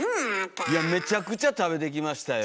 いやめちゃくちゃ食べてきましたよ。